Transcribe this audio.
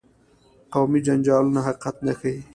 قومي جنجالونه حقیقت نه ښيي.